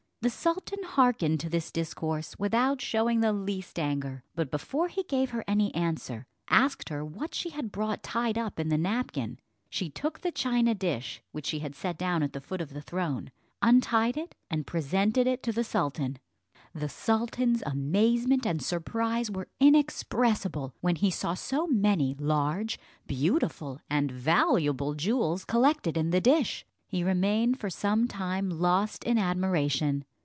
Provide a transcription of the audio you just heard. The sultan hearkened to this discourse without showing the least anger; but before he gave her any answer, asked her what she had brought tied up in the napkin. She took the china dish which she had set down at the foot of the throne, untied it, and presented it to the sultan. The sultan's amazement and surprise were inexpressible, when he saw so many large, beautiful and valuable jewels collected in the dish. He remained for some time lost in admiration.